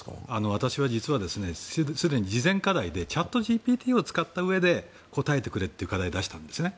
私は実はすでに事前課題でチャットＧＰＴを使ったうえで答えてくれという課題を出したんですね。